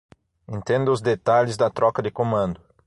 Entenda os detalhes da troca de comando